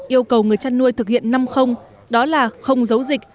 yêu cầu người chăn nuôi thực hiện năm đó là không giấu dịch